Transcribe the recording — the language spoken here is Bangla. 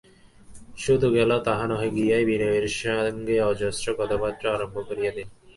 শুধু গেল তাহা নহে, গিয়াই বিনয়ের সঙ্গে অজস্র কথাবার্তা আরম্ভ করিয়া দিল।